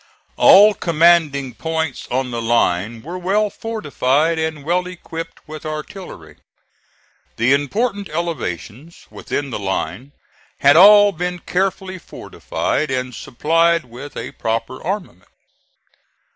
All commanding points on the line were well fortified and well equipped with artillery. The important elevations within the line had all been carefully fortified and supplied with a proper armament.